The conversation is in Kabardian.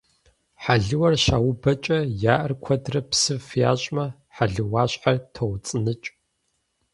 Хьэлыуэр щаубэкӏэ я ӏэр куэдрэ псыф ящӏмэ, хьэлыуащхьэр тоуцӏыныкӏ.